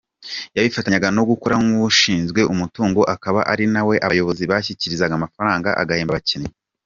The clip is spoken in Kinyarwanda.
Yabifatanyaga no gukora nk’ushinzwe umutungo akaba ari nawe abayobozi bashyikiriza amafaranga agahemba abakinnyi.”